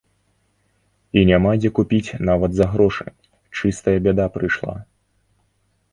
І няма дзе купіць нават за грошы, чыстая бяда прыйшла.